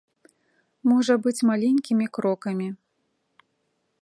Можа быць маленькімі крокамі.